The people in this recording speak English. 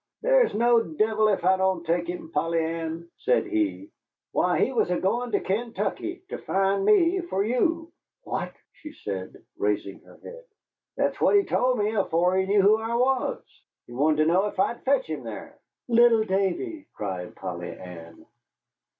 "There's no devil ef I don't take him, Polly Ann," said he. "Why, he was a goin' to Kaintuckee ter find me for you." "What?" said she, raising her head. "That's what he told me afore he knew who I was. He wanted to know ef I'd fetch him thar." "Little Davy!" cried Polly Ann.